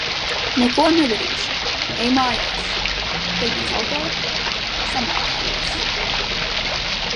-Neko nedarīšu. Ej mājās. -Bet mans auto? -Samaitājies.